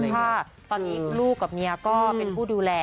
เพราะว่าตอนนี้ลูกกับเมียก็เป็นผู้ดูแล